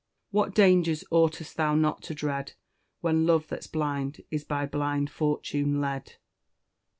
"What dangers ought'st thou not to dread, When Love, that's blind, is by blind Fortune, led?"